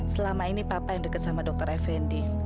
selama ini papa yang deket sama dokter effendy